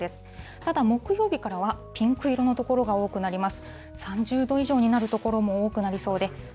ただ木曜日からはピンク色の所が多くなります。